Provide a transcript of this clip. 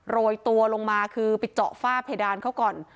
โรยตัวลงมาคือไปเจาะฝ้าเพดานเขาก่อน